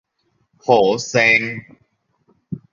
โหเซ็ง